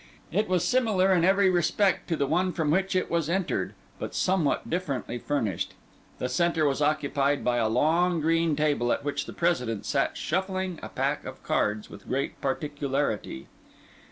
It was similar in every respect to the one from which it was entered, but somewhat differently furnished. The centre was occupied by a long green table, at which the President sat shuffling a pack of cards with great particularity.